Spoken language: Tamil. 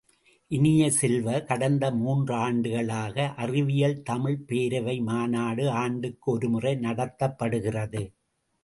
இனிய செல்வ, கடந்த மூன்றாண்டுகளாக அறிவியல் தமிழ்ப் பேரவை மாநாடு ஆண்டுக்கு ஒருமுறை நடத்தப்படுகிறது.